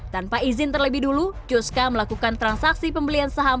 tanpa izin terlebih dulu juska melakukan transaksi pembelian saham